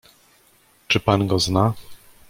"Czy pan go zna?"